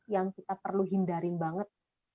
yang kita perlu hindarin banget